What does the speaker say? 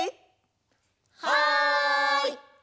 はい！